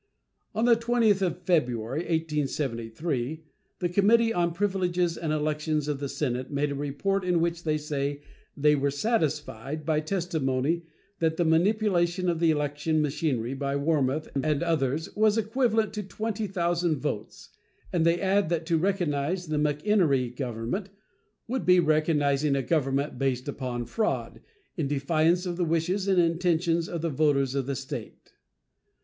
On the 20th of February, 1873, the Committee on Privileges and Elections of the Senate made a report in which they say they were satisfied by testimony that the manipulation of the election machinery by Warmoth and others was equivalent to 20,000 votes; and they add that to recognize the McEnery government "would be recognizing a government based upon fraud, in defiance of the wishes and intention of the voters of the State."